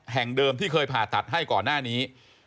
แห่งเดิมที่เคยผ่าตัดให้ก่อนหน้านี้